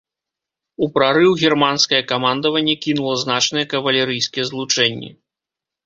У прарыў германскае камандаванне кінула значныя кавалерыйскія злучэнні.